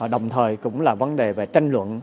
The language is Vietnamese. đồng thời cũng là vấn đề về tranh luận